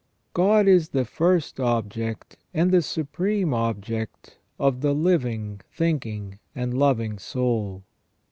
God is the first object, and the supreme object, of the living, thinking, and loving soul.